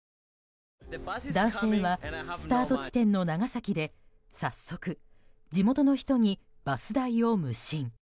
男性はスタート地点の長崎で早速、地元の人にバス代を無心。